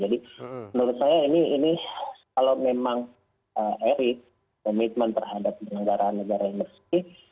jadi menurut saya ini kalau memang erick komitmen terhadap penyelenggaraan negara yang bersih